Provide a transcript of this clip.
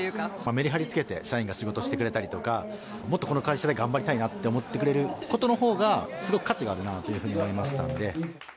めりはりつけて社員が仕事してくれたりとか、もっとこの会社で頑張りたいなって思ってくれることのほうが、すごく価値があるなというふうに思いましたので。